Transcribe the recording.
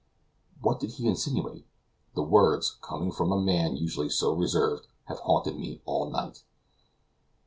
What did he insinuate? The words, coming from a man usually so reserved, have haunted me all night.